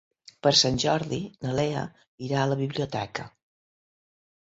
Per Sant Jordi na Lea irà a la biblioteca.